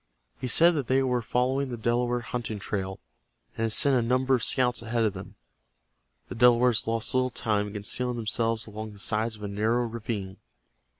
He said that they were following the Delaware hunting trail, and had sent a number of scouts ahead of them. The Delawares lost little time in concealing themselves along the sides of a narrow ravine.